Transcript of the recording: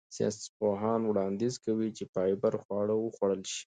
ساینسپوهان وړاندیز کوي چې فایبر خواړه وخوړل شي.